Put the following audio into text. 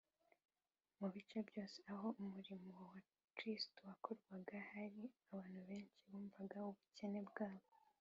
mu bice byose aho umurimo wa kristo wakorwaga, hari abantu benshi bumvaga ubukene bwabo